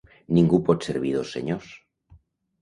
Ningú pot servir dos senyors.